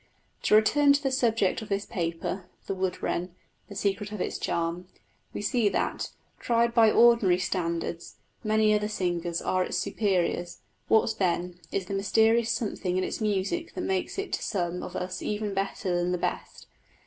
To return to the subject of this paper: the wood wren the secret of its charm. We see that, tried by ordinary standards, many other singers are its superiors; what, then, is the mysterious something in its music that makes it to some of us even better than the best?